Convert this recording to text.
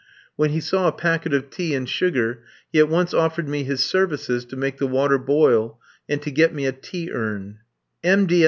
When he saw a packet of tea and sugar, he at once offered me his services to make the water boil and to get me a tea urn. M.